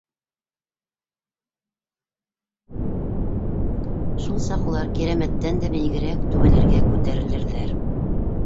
Шул саҡ улар Кирәмәттән дә бейегерәк түбәләргә күтәрелерҙәр.